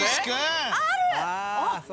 ある！